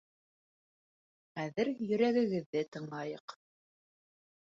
Хәҙер йөрәгегеҙҙе тыңлайыҡ